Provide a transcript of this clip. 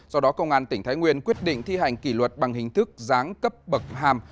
do đó công an tỉnh thái nguyên quyết định thi hành kỷ luật bằng hình thức giáng cấp bậc hàm